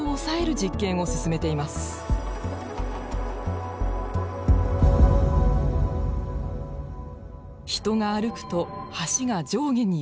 人が歩くと橋が上下に揺れます。